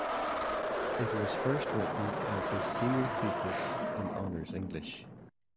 It was first written as his senior thesis in Honors English.